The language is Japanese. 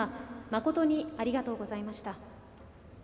誠にありがとうございました。